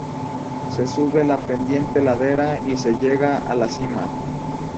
Se sube la pendiente ladera y se llega a la cima.